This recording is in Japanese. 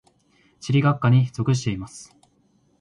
地理学科に属しています。